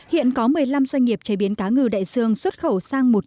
hiện có một mươi năm doanh nghiệp chế biến cá ngừ đại dương xuất khẩu sang một trăm ba mươi tám tỉ